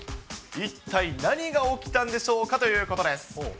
一体何が起きたんでしょうかということです。